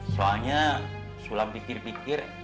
soalnya sulam pikir pikir